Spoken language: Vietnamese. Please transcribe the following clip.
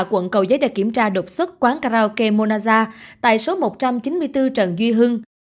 quận cầu giấy đã kiểm tra đột xuất quán karaoke monaza tại số một trăm chín mươi bốn trần duy hưng